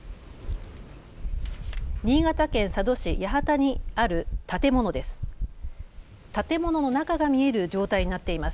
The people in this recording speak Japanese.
新潟県佐渡市八幡にある建物です。